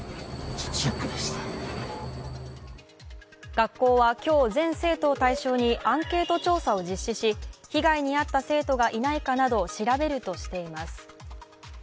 学校は今日、全生徒を対象にアンケート調査を実施し、被害に遭った生徒がいないかなどを調べるとしています。